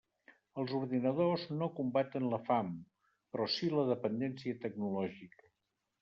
Els ordinadors no combaten la fam, però sí la dependència tecnològica.